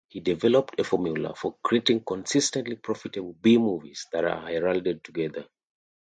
He developed a formula for creating consistently profitable B movies that are heralded today.